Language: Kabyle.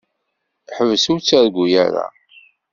Ḥbes ur ttargu ara.